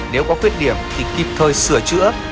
nếu có khuyết điểm thì kịp thời sửa chữa